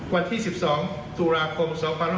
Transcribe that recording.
วันที่๑๒ตุลาคม